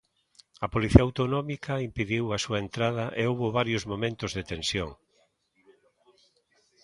A Policía Autonómica impediu a súa entrada e houbo varios momentos de tensión.